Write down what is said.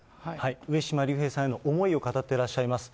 上島竜兵さんへの思いを語ってらっしゃいます。